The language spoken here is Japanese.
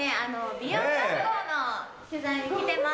美容学校の取材に来てます。